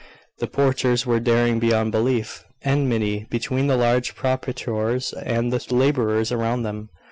The poachers were daring beyond belief; and deep was the enmity between the large proprietors and the labourers around them.